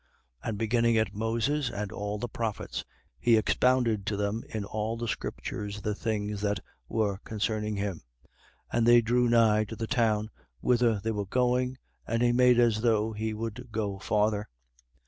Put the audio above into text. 24:27. And beginning at Moses and all the prophets, he expounded to them in all the scriptures the things that were concerning him. 24:28. And they drew nigh to the town whither they were going: and he made as though he would go farther.